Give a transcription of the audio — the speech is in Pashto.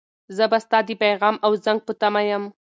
زه به ستا د پیغام او زنګ په تمه یم.